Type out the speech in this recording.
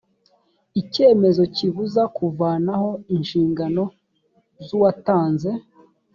icyemezo kibuza kuvanaho inshingano z uwatanze